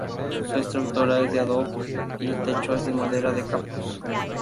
Su estructura es de adobe, y el techo es de madera de cactus.